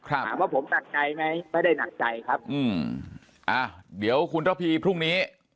ถามว่าผมหนักใจไหมไม่ได้หนักใจครับอืมอ่าเดี๋ยวคุณระพีพรุ่งนี้